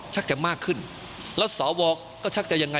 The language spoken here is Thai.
ชักจะมากขึ้นและส่อเวารอกก็ชักจะยังไง